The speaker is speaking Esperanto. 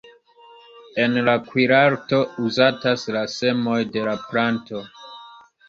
En la kuirarto uzatas la semoj de la planto.